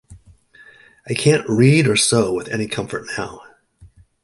I can’t read or sew with any comfort now.